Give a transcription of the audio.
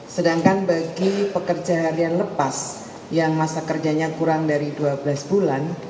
sedangkan bagi pekerja harian lepas yang masa kerjanya kurang dari dua belas bulan